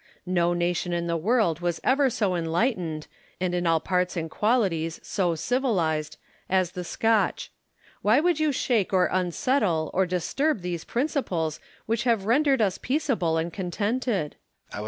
No nation in the world was ever so enlightened, and in all parts and qualities so civilised, as the Scotch. Why would you shake or unsettle or disturb those principles which have rendered us peaceable and contented ? Hume.